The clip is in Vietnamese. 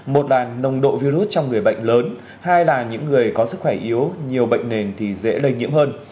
một là nồng độ virus trong người bệnh lớn hai là những người có sức khỏe yếu nhiều bệnh nền thì dễ lây nhiễm hơn